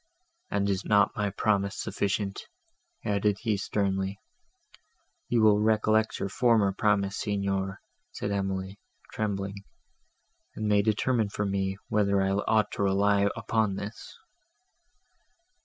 "And is not my promise sufficient?" added he sternly. "You will recollect your former promise, Signor," said Emily, trembling, "and may determine for me, whether I ought to rely upon this."